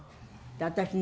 私ね